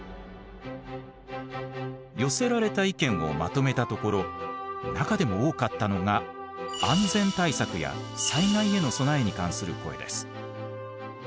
寄せられた意見をまとめたところ中でも多かったのが安全対策や災害への備えに関する声です。